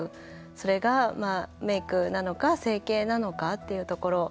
それがメークなのか整形なのかっていうところ。